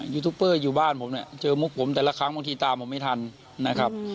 ยูทูปเปอร์อยู่บ้านผมเนี่ยเจอมุกผมแต่ละครั้งบางทีตามผมไม่ทันนะครับ